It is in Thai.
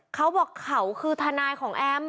เขาบอกเขาคือทนายของแอม